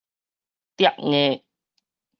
摘夾